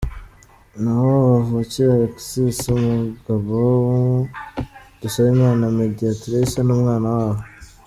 Ntahobavukira Alexis; umugabo wa Dusabimana Mediatrice n'umwana wabo.